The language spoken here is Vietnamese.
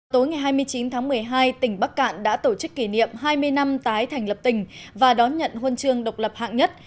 tối ngày hai mươi chín tháng một mươi hai tỉnh bắc cạn đã tổ chức kỷ niệm hai mươi năm tái thành lập tỉnh và đón nhận huân chương độc lập hạng nhất